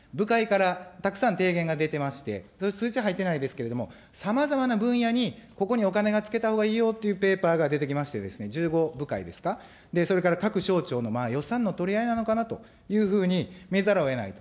部会からたくさん提言が出てまして、数字入ってないですけれども、さまざまな分野に、ここにお金がつけたほうがいいよって、ペーパーが出てきましてですね、１５部会ですか、それから各省庁の予算の取り合いなのかなというふうに見ざるをえないと。